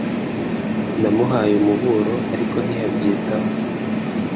Namuhaye umuburo, ariko ntiyabyitaho .